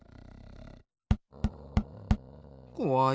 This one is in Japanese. こわい。